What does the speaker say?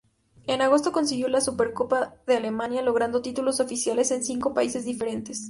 En agosto consiguió la Supercopa de Alemania, logrando títulos oficiales en cinco países diferentes.